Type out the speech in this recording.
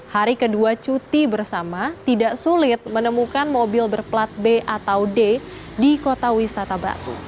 hari kedua cuti bersama tidak sulit menemukan mobil berplat b atau d di kota wisata batu